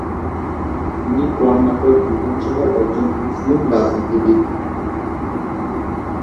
তিনি কর্ণাটক বিধানসভার একজন মুসলিম রাজনীতিবিদ।